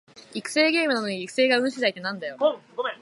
育成ゲームなのに育成が運しだいってなんだよ